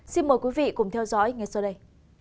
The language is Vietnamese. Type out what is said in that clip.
xin mời quý vị cùng theo dõi ngay sau đây